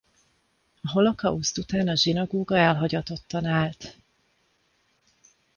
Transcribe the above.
A holokauszt után a zsinagóga elhagyatottan állt.